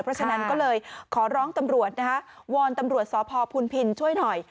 เพราะฉะนั้นก็เลยขอร้องตำรวจนะคะวอนตำรวจสพพุนพินช่วยหน่อย